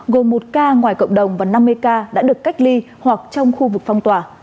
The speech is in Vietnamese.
gồm một ca ngoài cộng đồng và năm mươi ca đã được cách ly hoặc trong khu vực phong tỏa